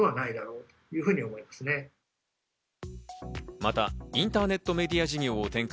またインターネットメディア事業を展開。